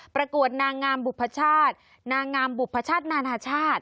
ประกวดนางงามบุพชาตินางงามบุพชาตินานาชาติ